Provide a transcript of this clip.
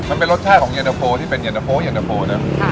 มันเป็นรสชาติของเย็นเตอร์โฟที่เป็นเย็นเตอร์โฟเย็นเตอร์โฟเนี่ย